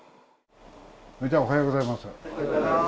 おはようございます。